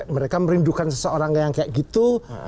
mereka merindukan seseorang yang kayak gitu